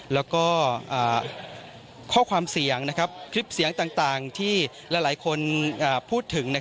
แล้วก็ข้อความเสียงคลิปเสียงต่างที่หลายคนพูดถึง